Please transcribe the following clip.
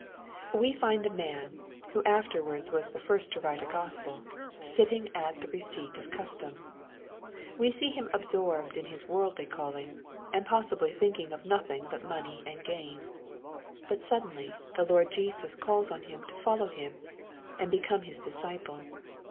We find the man, who afterwards was the first to write a Gospel, sitting at the receipt of custom. We see him absorbed in his worldly calling, and possibly thinking of nothing but money and gain. But suddenly the Lord Jesus calls on him to follow Him, and become His disciple.